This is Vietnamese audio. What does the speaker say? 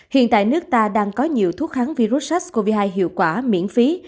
hiện tại nước ta đang có nhiều thuốc kháng virus sars cov hai hiệu quả miễn phí